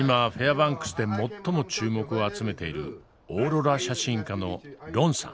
バンクスで最も注目を集めているオーロラ写真家のロンさん。